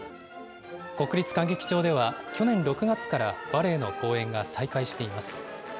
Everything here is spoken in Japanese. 国立歌劇場では去年６月からバレエの公演が再開しています。